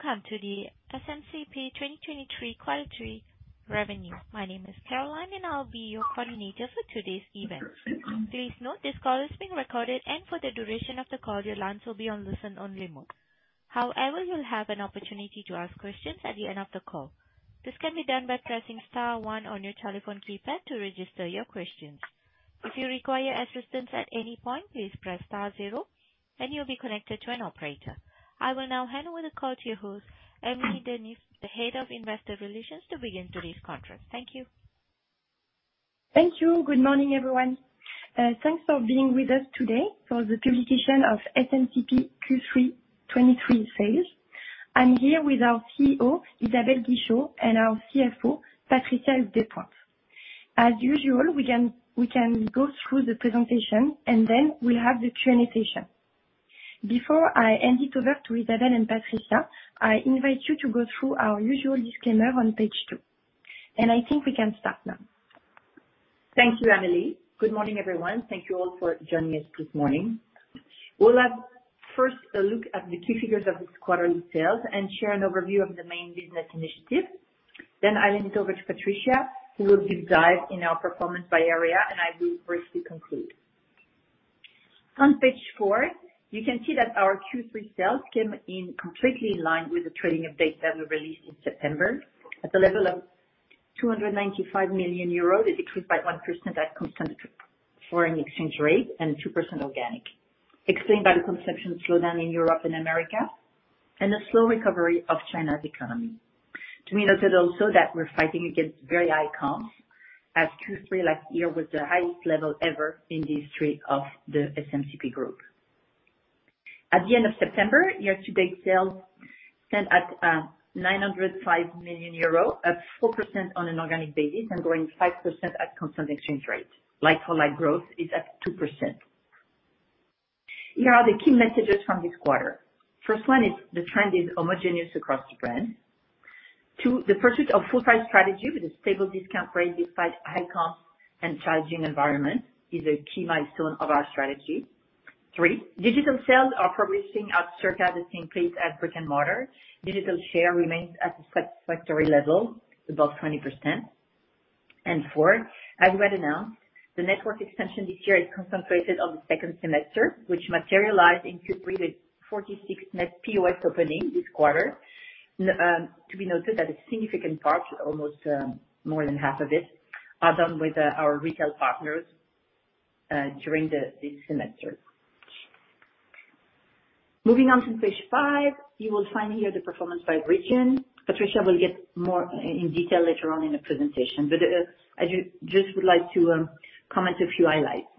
Hello, and welcome to the SMCP 2023 Q3 revenue. My name is Caroline, and I'll be your coordinator for today's event. Please note, this call is being recorded, and for the duration of the call, your lines will be on listen-only mode. However, you'll have an opportunity to ask questions at the end of the call. This can be done by pressing star one on your telephone keypad to register your questions. If you require assistance at any point, please press star zero, and you'll be connected to an operator. I will now hand over the call to your host, Amélie Dernis, the head of investor relations, to begin today's conference. Thank you. Thank you. Good morning, everyone. Thanks for being with us today for the publication of SMCP Q3 2023 sales. I'm here with our CEO, Isabelle Guichot, and our CFO, Patricia Despointes. As usual, we can go through the presentation, and then we'll have the Q&A session. Before I hand it over to Isabelle and Patricia, I invite you to go through our usual disclaimer on page two, and I think we can start now. Thank you, Amélie. Good morning, everyone. Thank you all for joining us this morning. We'll have first a look at the key figures of this quarterly sales and share an overview of the main business initiatives. Then I'll hand it over to Patricia, who will deep dive in our performance by area, and I will briefly conclude. On page four, you can see that our Q3 sales came in completely in line with the trading update that we released in September, at the level of 295 million euros. It decreased by 1% at constant foreign exchange rate and 2% organic, explained by the consumption slowdown in Europe and America, and a slow recovery of China's economy. To me, noted also that we're fighting against very high comps, as Q3 last year was the highest level ever in the history of the SMCP group. At the end of September, year-to-date sales stand at 905 million euro, up 4% on an organic basis, and growing 5% at constant exchange rate. Like-for-like growth is at 2%. Here are the key messages from this quarter. First one is the trend is homogeneous across the brand. Two, the pursuit of full price strategy with a stable discount rate despite high comps and challenging environment, is a key milestone of our strategy. Three, digital sales are progressing at circa the same pace as brick-and-mortar. Digital share remains at a satisfactory level, above 20%. And four, as we had announced, the network extension this year is concentrated on the second semester, which materialized in 246 net POS openings this quarter. To be noted that a significant part, almost more than half of it, are done with our retail partners during this semester. Moving on to page five, you will find here the performance by region. Patricia will get more in detail later on in the presentation, but I just would like to comment a few highlights.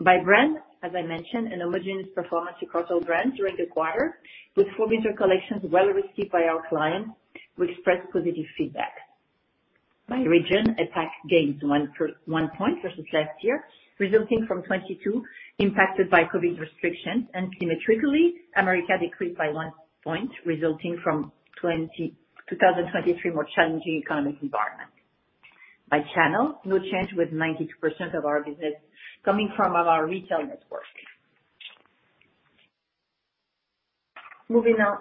By brand, as I mentioned, an homogeneous performance across all brands during the quarter, with fall/winter collections well received by our clients, who expressed positive feedback. By region, APAC gained one point versus last year, resulting from 2022, impacted by COVID restrictions. Symmetrically, America decreased by one point, resulting from 2022-2023 more challenging economic environment. By channel, no change, with 92% of our business coming from our retail network. Moving on.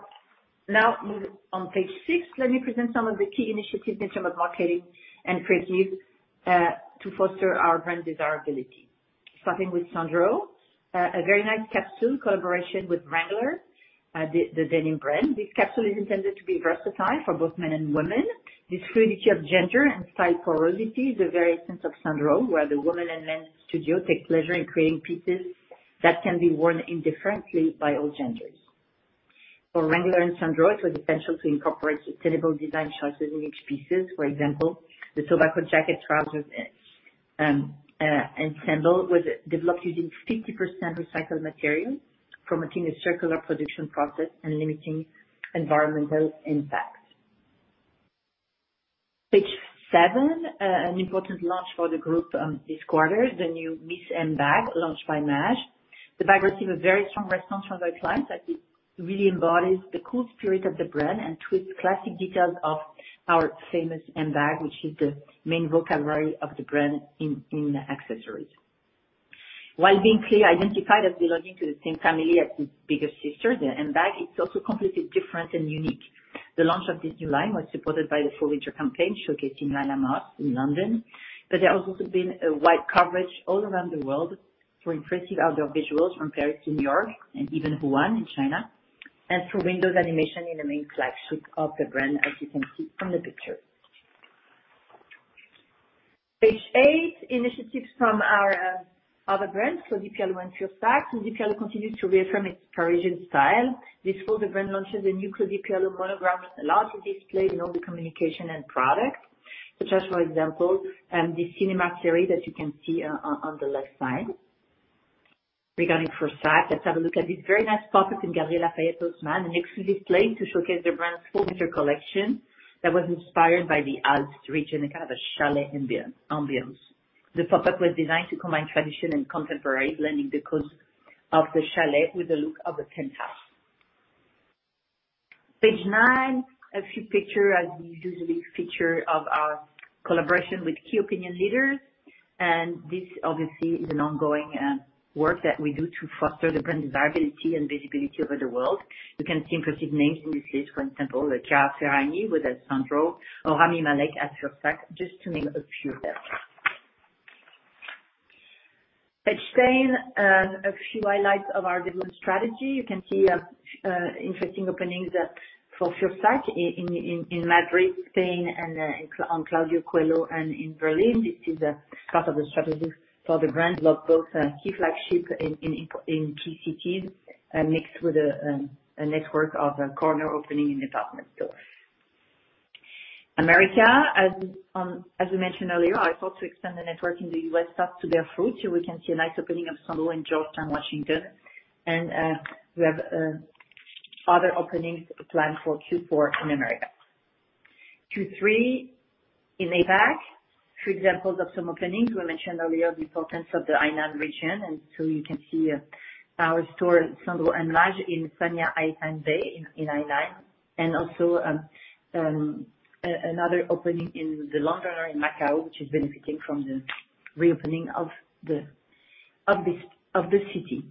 Now, move on page six, let me present some of the key initiatives in terms of marketing and creative, to foster our brand desirability. Starting with Sandro, a very nice capsule collaboration with Wrangler, the, the denim brand. This capsule is intended to be versatile for both men and women. This fluidity of gender and style porosity is the very essence of Sandro, where the women's and men's studio take pleasure in creating pieces that can be worn indifferently by all genders. For Wrangler and Sandro, it was essential to incorporate sustainable design choices in each piece. For example, the tobacco jacket, trousers, and ensemble was developed using 50% recycled material, promoting a circular production process and limiting environmental impact. Page seven, an important launch for the group, this quarter, the new Miss M bag, launched by Maje. The bag received a very strong response from our clients, as it really embodies the cool spirit of the brand and twists classic details of our famous M bag, which is the main vocabulary of the brand in accessories. While being clearly identified as belonging to the same family as its bigger sister, the M bag, it's also completely different and unique. The launch of this new line was supported by the fall/winter campaign, showcasing Lila Moss in London. But there has also been a wide coverage all around the world, through impressive outdoor visuals from Paris to New York, and even Wuhan in China, and through windows animation in the main flagship of the brand, as you can see from the picture. Page eight, initiatives from our other brands, so Claudie Pierlot and Fursac. Claudie Pierlot continues to reaffirm its Parisian style. This fall, the brand launches a new Claudie Pierlot monogram, a large display in all the communication and products, such as, for example, the cinema series that you can see on, on the left side. Regarding Fursac, let's have a look at this very nice pop-up in Galeries Lafayette Haussmann, an exclusive place to showcase the brand's fall/winter collection that was inspired by the Alps region, a kind of a chalet ambiance. The pop-up was designed to combine tradition and contemporary, blending the coziness of the chalet with the look of a penthouse. Page nine-... A few pictures, as we usually feature of our collaboration with key opinion leaders, and this obviously is an ongoing work that we do to foster the brand desirability and visibility over the world. You can see impressive names in this list, for example, like Chiara Ferragni with Sandro, or Rami Malek at Fursac, just to name a few of them. Page 10, a few highlights of our development strategy. You can see interesting openings for Fursac in Madrid, Spain, and on Claudio Coello and in Berlin. This is a part of the strategy for the brand, both key flagship in key cities, mixed with a network of corner opening in department stores. America, as we mentioned earlier, our effort to extend the network in the U.S. start to bear fruit. So we can see a nice opening of Sandro in Georgetown, Washington, D.C. And we have other openings planned for Q4 in America. two to three in APAC, three examples of some openings. We mentioned earlier the importance of the Hainan region, and so you can see our store, Sandro and Maje, in Sanya Haitang Bay in Hainan. And also, another opening in The Londoner in Macao, which is benefiting from the reopening of the city.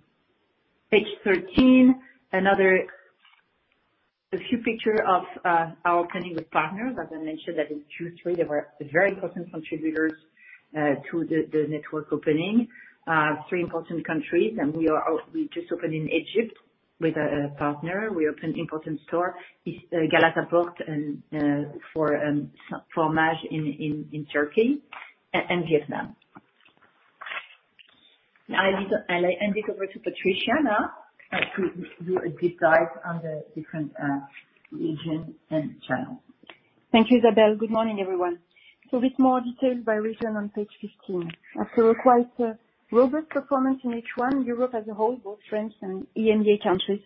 Page thirteen, another few pictures of our openings with partners. As I mentioned, that in Q3 they were very important contributors to the network opening. Three important countries, and we just opened in Egypt with a partner. We opened important stores in Galataport, and for Maje in Turkey and Vietnam. Now, I hand it over to Patricia to do a deep dive on the different regions and channels. Thank you, Isabelle. Good morning, everyone. So a bit more detail by region on page 15. After a quite robust performance in H1, Europe as a whole, both France and EMEA countries,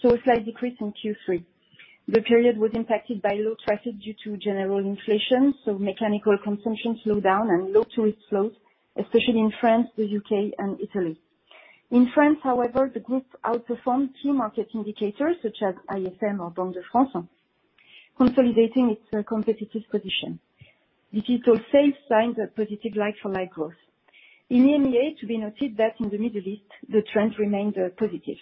saw a slight decrease in Q3. The period was impacted by low traffic due to general inflation, so mechanical consumption slowed down and low tourist flows, especially in France, the U.K. and Italy. In France, however, the group outperformed key market indicators such as IFM or Banque de France, consolidating its competitive position. This is a safe sign of positive like-for-like growth. In EMEA, to be noted that in the Middle East, the trend remained positive.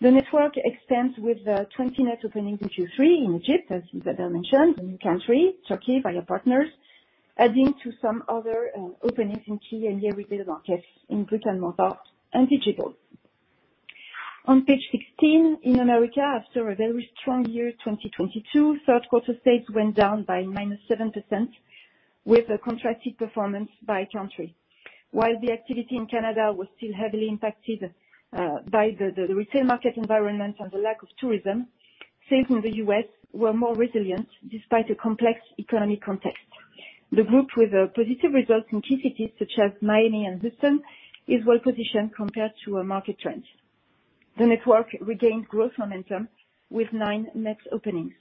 The network expands with 20 net openings in Q3 in Egypt, as Isabelle mentioned, a new country, Turkey, via partners, adding to some other openings in key EMEA retail markets in Britain, Malta, and Portugal. On page sixteen, in America, after a very strong year, 2022, third quarter sales went down by -7%, with a contracted performance by country. While the activity in Canada was still heavily impacted by the retail market environment and the lack of tourism, sales in the U.S. were more resilient despite a complex economic context. The group, with a positive result in key cities such as Miami and Houston, is well positioned compared to our market trend. The network regained growth momentum with nine net openings.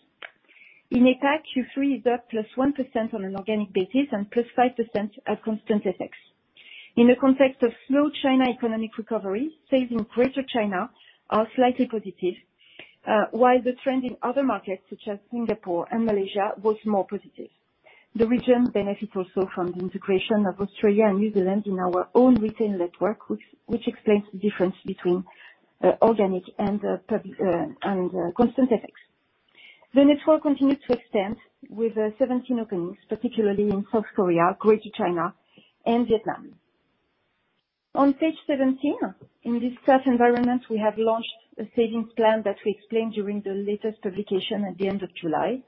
In APAC, Q3 is up +1% on an organic basis and +5% at constant effects. In the context of slow China economic recovery, sales in Greater China are slightly positive, while the trend in other markets, such as Singapore and Malaysia, was more positive. The region benefits also from the integration of Australia and New Zealand in our own retail network, which explains the difference between organic and constant effects. The network continues to expand with 17 openings, particularly in South Korea, Greater China and Vietnam. On page 17, in this tough environment, we have launched a savings plan that we explained during the latest publication at the end of July.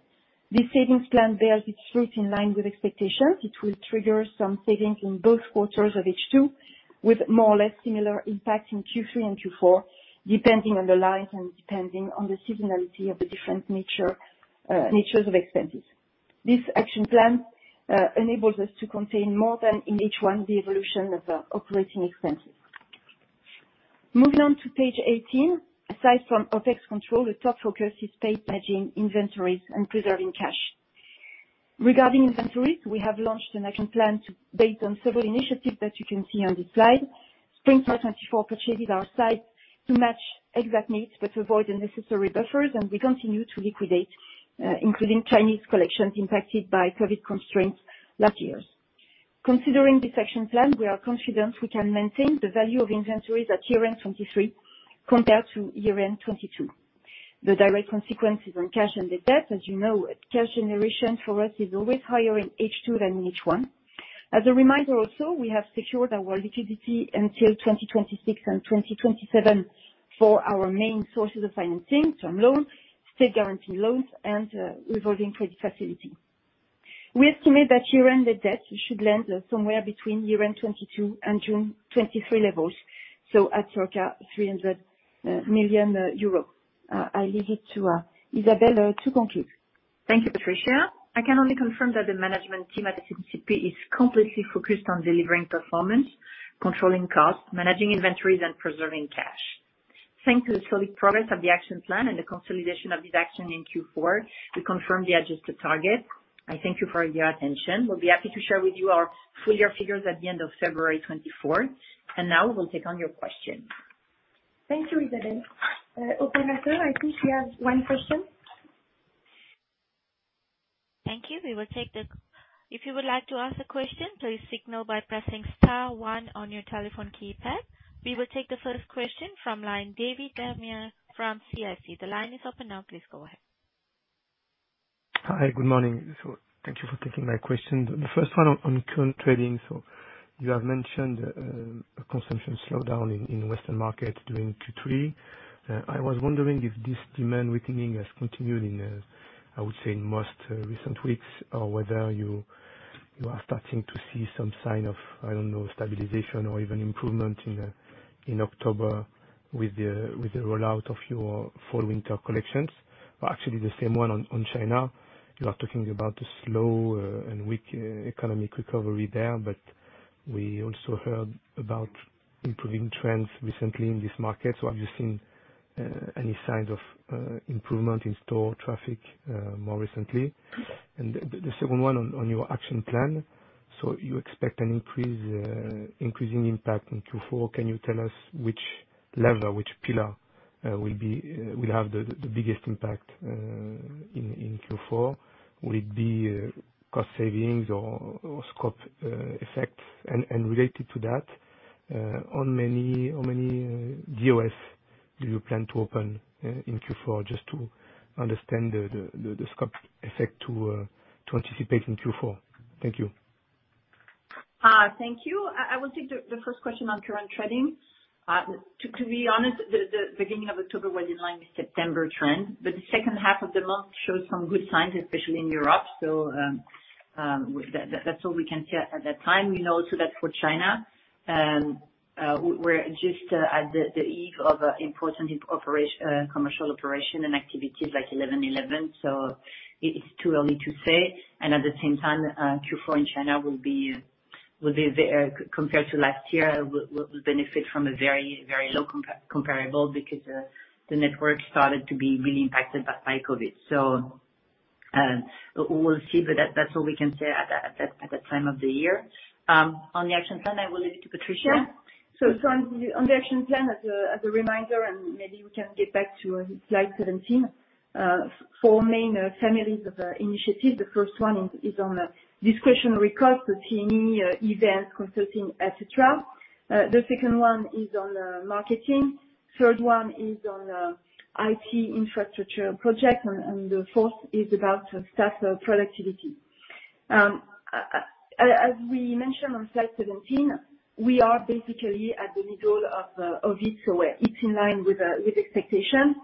This savings plan bears its fruit in line with expectations. It will trigger some savings in both quarters of H2, with more or less similar impact in Q3 and Q4, depending on the lines and depending on the seasonality of the different natures of expenses. This action plan enables us to contain more than in H1, the evolution of operating expenses. Moving on to page 18, aside from OpEx control, the top focus is pace managing inventories and preserving cash. Regarding inventories, we have launched an action plan to based on several initiatives that you can see on this slide. Spring 2024 purchases are sized to match exact needs, but to avoid unnecessary buffers, and we continue to liquidate, including Chinese collections impacted by COVID constraints last year. Considering this action plan, we are confident we can maintain the value of inventories at year-end 2023, compared to year-end 2022. The direct consequences on cash and the debt, as you know, cash generation for us is always higher in H2 than in H1. As a reminder, also, we have secured our liquidity until 2026 and 2027 for our main sources of financing, term loans, state guarantee loans, and revolving credit facility. We estimate that year-end, the debt should land somewhere between year-end 2022 and June 2023 levels, so at circa 300 million euros. I leave it to Isabelle to conclude. Thank you, Patricia. I can only confirm that the management team at SMCP is completely focused on delivering performance, controlling costs, managing inventories, and preserving cash. Thanks to the solid progress of the action plan and the consolidation of this action in Q4, we confirm the adjusted target. I thank you for your attention. We'll be happy to share with you our full year figures at the end of February twenty-fourth, and now we will take on your questions. Thank you, Isabelle. Operator, I think we have one question. Thank you. We will take. If you would like to ask a question, please signal by pressing star one on your telephone keypad. We will take the first question from line, David Da Maia from CIC. The line is open now, please go ahead. Hi, good morning. So thank you for taking my question. The first one on current trading. So you have mentioned a consumption slowdown in Western market during Q3. I was wondering if this demand weakening has continued in, I would say, in most recent weeks, or whether you are starting to see some sign of, I don't know, stabilization or even improvement in October with the rollout of your fall-winter collections. But actually, the same one on China. You are talking about a slow and weak economic recovery there, but we also heard about improving trends recently in this market. So have you seen any signs of improvement in store traffic more recently? And the second one on your action plan. So you expect an increasing impact in Q4. Can you tell us which level, which pillar, will be, will have the biggest impact in Q4? Will it be cost savings or scope effects? And related to that, how many DOS do you plan to open in Q4, just to understand the scope effect to anticipate in Q4? Thank you. Thank you. I will take the first question on current trading. To be honest, the beginning of October was in line with September trend, but the second half of the month showed some good signs, especially in Europe. That's all we can say at that time. For China, we're just at the eve of important commercial operation and activities like 11.11, so it's too early to say. And at the same time, Q4 in China will be compared to last year. We'll benefit from a very, very low comparable because the network started to be really impacted by COVID. We'll see, but that's all we can say at that time of the year. On the action plan, I will leave it to Patricia. Yeah. So on the action plan, as a reminder, and maybe you can get back to slide 17. Four main families of initiative. The first one is on the discretionary cost, the T&E, events, consulting, et cetera. The second one is on marketing. Third one is on IT infrastructure project, and the fourth is about staff productivity. As we mentioned on slide 17, we are basically at the middle of it, so it's in line with expectation.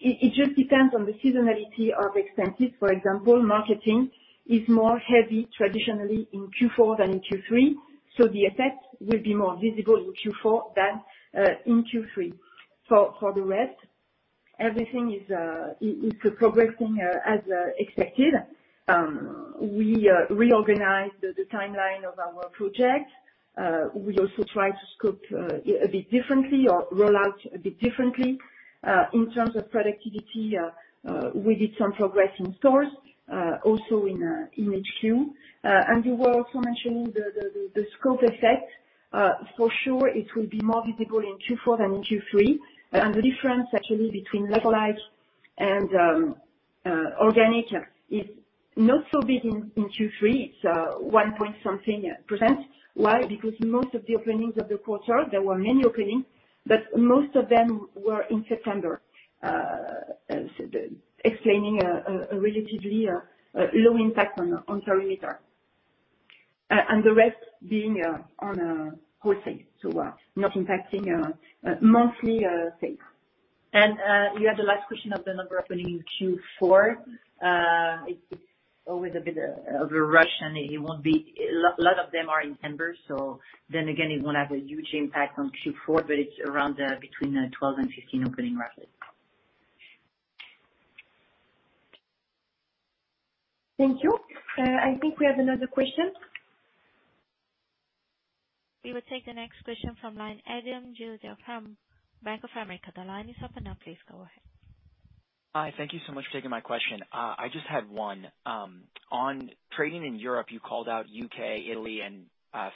It just depends on the seasonality of expenses. For example, marketing is more heavy traditionally in Q4 than in Q3, so the effect will be more visible in Q4 than in Q3. So for the rest, everything is progressing as expected. We reorganized the timeline of our project. We also tried to scope a bit differently or roll out a bit differently. In terms of productivity, we did some progress in stores, also in HQ. And you were also mentioning the scope effect. For sure, it will be more visible in Q4 than in Q3. And the difference actually between localized and organic is not so big in Q3. It's one point something%. Why? Because most of the openings of the quarter, there were many openings, but most of them were in September. Explaining a relatively low impact on perimeter. And the rest being on wholesale, so not impacting monthly sales. You had the last question of the number opening in Q4. It's always a bit of a rush, and it won't be. A lot of them are in September, so then again, it won't have a huge impact on Q4, but it's around between 12 and 15 opening roughly. Thank you. I think we have another question. We will take the next question from line, Adam Joseph from Bank of America. The line is open now, please go ahead. Hi, thank you so much for taking my question. I just had one. On trading in Europe, you called out U.K., Italy, and France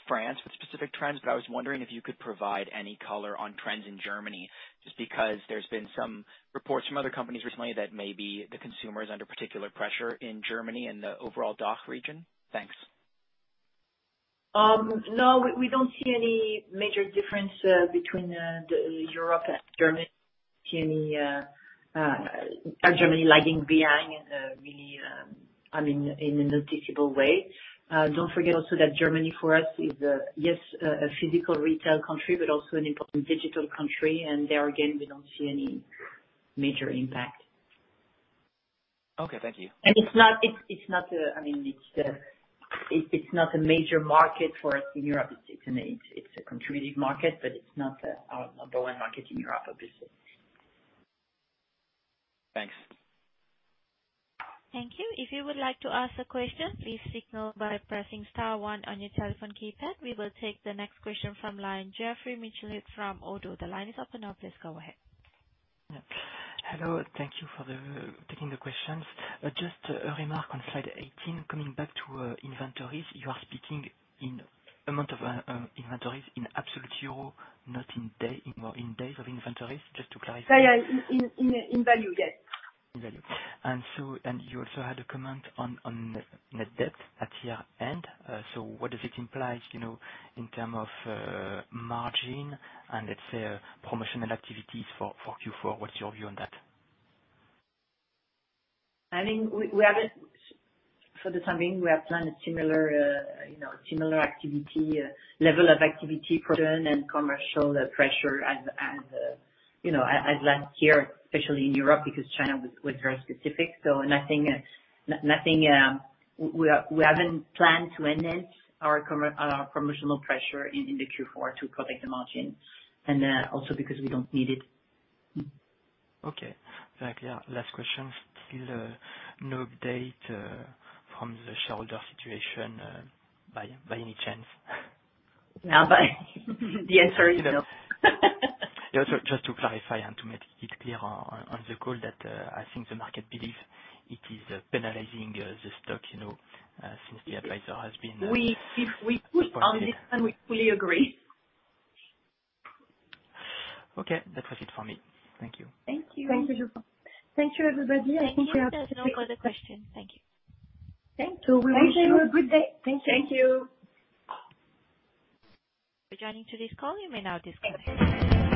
with specific trends, but I was wondering if you could provide any color on trends in Germany, just because there's been some reports from other companies recently that maybe the consumer is under particular pressure in Germany and the overall DACH region. Thanks. No, we don't see any major difference between Europe and Germany. See any Germany lagging behind in a really, I mean, in a noticeable way. Don't forget also that Germany, for us, is, yes, a physical retail country, but also an important digital country, and there, again, we don't see any major impact. Okay, thank you. It's not a major market for us in Europe. I mean, it's a contributing market, but it's not our number one market in Europe, obviously. Thanks. Thank you. If you would like to ask a question, please signal by pressing star one on your telephone keypad. We will take the next question from line, Geoffroy Michalet from Oddo. The line is open now, please go ahead. Hello, thank you for the. Taking the questions. Just a remark on slide 18, coming back to inventories. You are speaking in amount of inventories in absolute euro, not in days of inventories, just to clarify? Yeah, yeah, in value, yes. In value. And so, and you also had a comment on net debt at year-end. So what does it imply, you know, in terms of margin and, let's say, promotional activities for Q4? What's your view on that? I think we have it for the time being, we have planned a similar, you know, similar activity, level of activity for then, and commercial pressure as, you know, as last year, especially in Europe, because China was very specific. So nothing, nothing. We haven't planned to enhance our promotional pressure in the Q4 to protect the margin, and also because we don't need it. Okay. Thank you. Last question. Still, no update from the shareholder situation by any chance? No, the answer is no. Yeah. So just to clarify and to make it clear on the call, that I think the market believes it is penalizing the stock, you know, since the advisor has been involved. We agree. Okay. That was it for me. Thank you. Thank you. Thank you. Thank you, everybody. I think we have. Thank you. There are no other questions. Thank you. Thank you. We wish you a good day. Thank you. Thank you. For joining today's call, you may now disconnect.